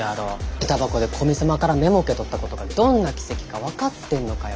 下駄箱で古見様からメモ受け取ったことがどんな奇跡か分かってんのかよ